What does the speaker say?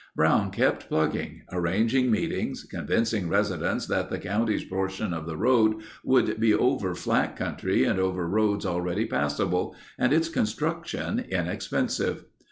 Brown kept plugging, arranging meetings, convincing residents that the county's portion of the road would be over flat country and over roads already passable, and its construction inexpensive.